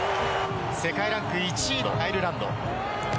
世界ランク１位のアイルランド。